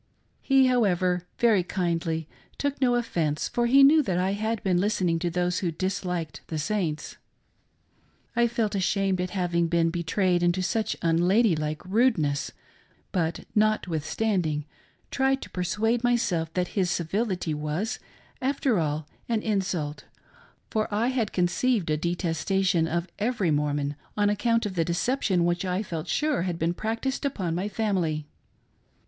He, however, very kindly took no offence for he knew that I had been listening to those who disliked the Saints. I felt ashamed at having been betrayed into such unladylike fudeness, but, notwithstanding, tried to persuade myself that his civility was, after all, an insult ; for I had conceived a detestation of every Mormon, on account of the deception which I felt sure had been practiced upon my family.